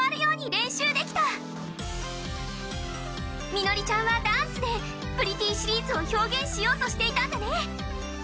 ミノリちゃんはダンスでプリティーシリーズを表現しようとしていたんだね。